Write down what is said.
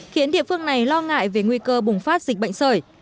khiến địa phương này lo ngại về nguy cơ bùng phát dịch bệnh sởi